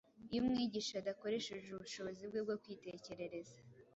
Iyo umwigishwa adakoresheje ubushobozi bwe bwo kwitekerereza